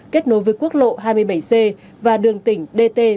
kết nối với quốc lộ hai mươi bảy c và đường tỉnh dt bảy trăm linh bảy